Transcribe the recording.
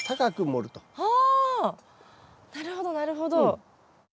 なるほどなるほど。